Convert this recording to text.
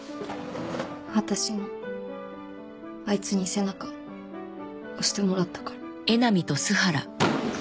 私もあいつに背中押してもらったから。